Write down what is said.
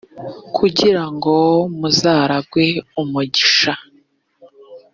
kugira ngo muzaragwe umugisha